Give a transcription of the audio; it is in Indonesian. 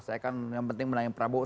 saya kan yang penting menangin pak prabowo